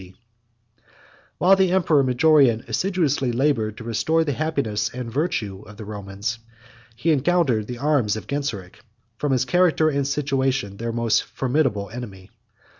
] While the emperor Majorian assiduously labored to restore the happiness and virtue of the Romans, he encountered the arms of Genseric, from his character and situation their most formidable enemy.